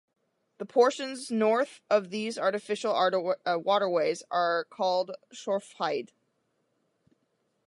The portions north of these artificial waterways are called Schorfheide.